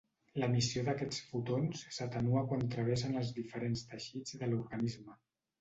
L'emissió d'aquests fotons s'atenua quan travessen els diferents teixits de l'organisme.